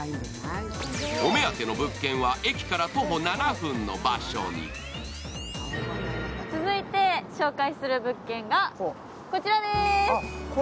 お目当ての物件は駅から徒歩７分の場所に続いて紹介する物件がこちらでーす。